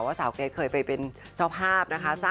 สาวเกรทเคยไปเป็นเจ้าภาพนะคะ